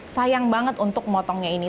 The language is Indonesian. sayang banget untuk motongnya ini